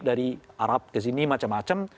dari arab ke sini macam macam